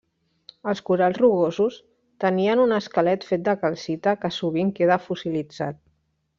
Els corals rugosos tenien un esquelet fet de calcita que sovint queda fossilitzat.